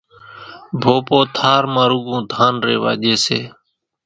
ڀوپو ٿار مان روڳون ڌان ريوا ڄي سي۔